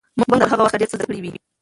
موږ به تر هغه وخته ډېر څه زده کړي وي.